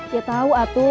ya tau atu